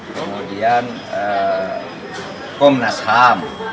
kemudian komnas ham